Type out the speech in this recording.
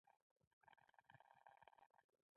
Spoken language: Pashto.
کندز ولې د شیرخان بندر لپاره مهم دی؟